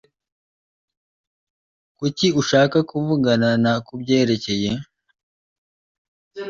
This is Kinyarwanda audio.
Kuki ushaka kuvugana na kubyerekeye?